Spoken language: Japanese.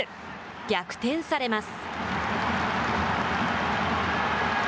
逆転されます。